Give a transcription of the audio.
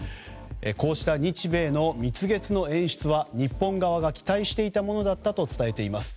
こうした日米の蜜月の演出は日本側が期待していたものだったと伝えています。